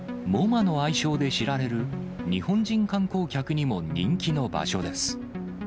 ＭｏＭＡの愛称で知られる、日本人観光客にも人気の場所です。